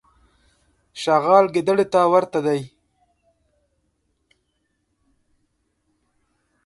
چغال ګیدړي ته ورته دی.